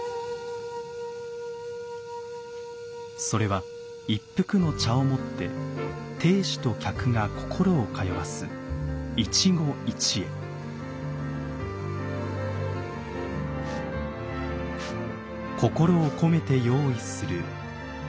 それは一服の茶をもって亭主と客が心を通わす心を込めて用意する